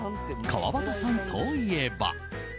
川端さんといえば。